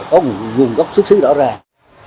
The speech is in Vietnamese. có nguồn gốc xuất xứ rõ ràng